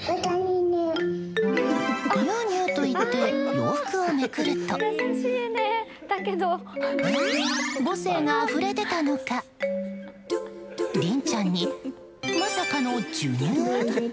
「にゅうにゅう」と言って洋服をめくると母性があふれ出たのかリンちゃんにまさかの授乳？